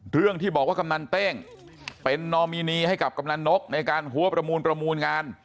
เรื่องที่บอกว่ากำนันเต้งเป็นนอมินีให้กับกำนันนกในการหัวประมูลประมูลงาน